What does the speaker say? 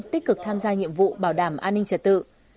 tích cực tham gia nhiệm vụ bảo đảm an ninh trật tự